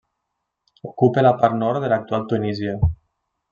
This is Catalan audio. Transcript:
Ocupa la part nord de l'actual Tunísia.